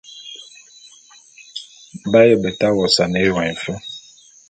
B'aye beta wosane éyon éfe.